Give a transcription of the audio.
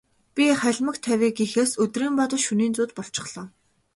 Би халимаг тавья гэхээс өдрийн бодол, шөнийн зүүд болчихлоо.